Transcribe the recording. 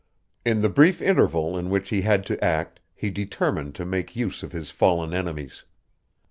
In the brief interval in which he had to act he determined to make use of his fallen enemies.